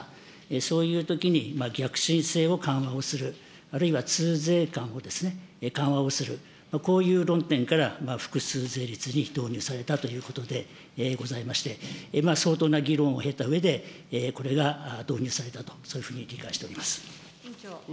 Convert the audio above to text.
そういうときに、逆進性を緩和をする、あるいは痛税感を緩和をする、こういう論点から、複数税率に導入されたということでございまして、相当な議論を経たうえで、これが導入されたと、そういうふうに理解しております。